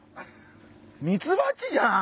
ミツバチじゃん！